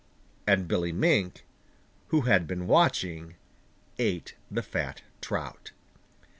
And Billy Mink, who had been watching, ate the fat trout.